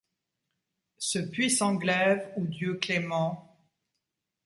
Ce puissant glaive où Dieu clément